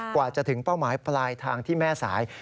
กว่าจะถึงเป้าหมายปลายทางที่แม่สาย